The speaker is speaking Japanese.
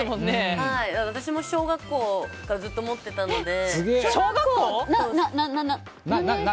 私も小学校からずっと持っていたので。